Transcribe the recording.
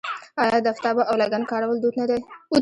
آیا د افتابه او لګن کارول دود نه دی؟